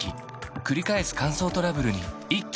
くり返す乾燥トラブルに一気にアプローチ